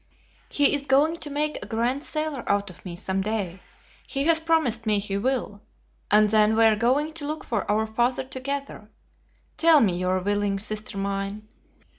He is going to make a grand sailor out of me some day, he has promised me he will; and then we are going to look for our father together. Tell me you are willing, sister mine.